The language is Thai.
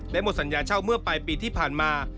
และหมดสัญญาเช่าเมื่อปลายปีที่ผ่านมา